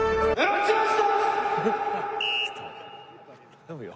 頼むよ。